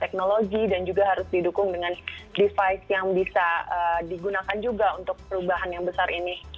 teknologi dan juga harus didukung dengan device yang bisa digunakan juga untuk perubahan yang besar ini